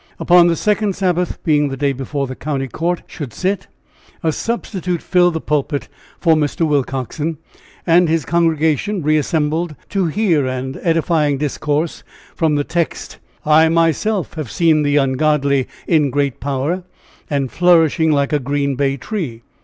Upon the second Sabbath being the day before the county court should sit a substitute filled the pulpit of Mr. Willcoxen, and his congregation reassembled to hear an edifying discourse from the text: "I myself have seen the ungodly in great power, and flourishing like a green bay tree.